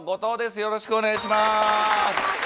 よろしくお願いします。